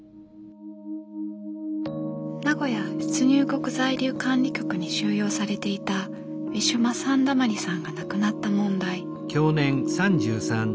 名古屋出入国在留管理局に収容されていたウィシュマ・サンダマリさんが亡くなった問題。